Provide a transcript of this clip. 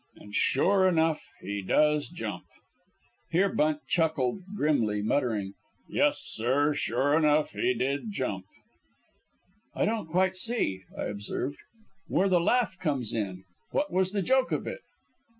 "An' sure enough he does jump!" Here Bunt chuckled grimly, muttering, "Yes, sir, sure enough he did jump." "I don't quite see," I observed, "where the laugh comes in. What was the joke of it?"